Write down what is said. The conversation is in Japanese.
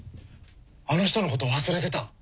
あの人のこと忘れてた！